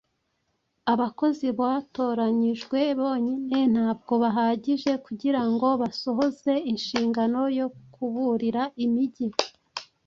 Abakozi batoranyijwe bonyine ntabwo bahagije kugira ngo basohoze inshingano yo kuburira imijyi